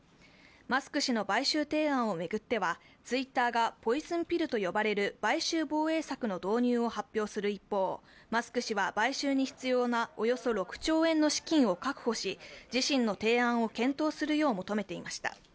マスク氏の買収提案を巡ってはツイッターがポイズンピルと呼ばれる買収防衛策の導入を発表する一方、マスク氏は買収に必要なおよそ６兆円の資金を確保し、自身の提案を検討するよう求めていました。